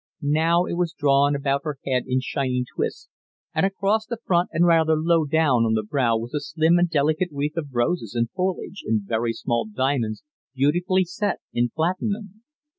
Now it was drawn about her head in shining twists, and across the front and rather low down on the brow was a slim and delicate wreath of roses and foliage in very small diamonds beautifully set in platinum.